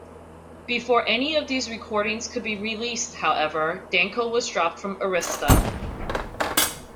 Before any of these recordings could be released, however, Danko was dropped from Arista.